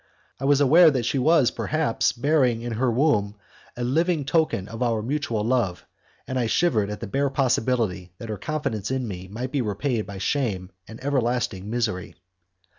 I was aware that she was, perhaps, bearing in her womb a living token of our mutual love, and I shivered at the bare possibility that her confidence in me might be repaid by shame and everlasting misery.